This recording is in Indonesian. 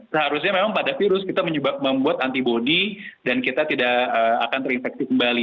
seharusnya memang pada virus kita membuat antibody dan kita tidak akan terinfeksi kembali